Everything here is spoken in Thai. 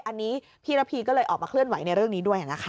อันนี้พี่ระพีก็เลยออกมาเคลื่อนไหวในเรื่องนี้ด้วยนะคะ